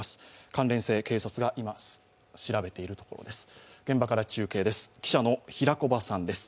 関連性、警察が今、調べているところです。